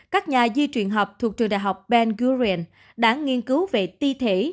các nhà di truyền học thuộc trường đại học ben gurion đã nghiên cứu về ti thể